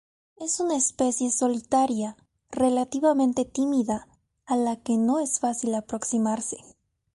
Es una especie solitaria, relativamente tímida, a la que no es fácil aproximarse.